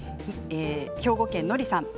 兵庫県の方です。